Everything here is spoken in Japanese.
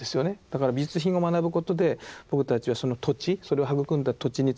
だから美術品を学ぶことで僕たちはその土地それを育んだ土地について知ると。